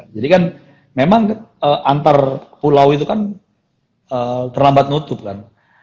jadi kan memang antar pulau itu kan terlambat nutup kan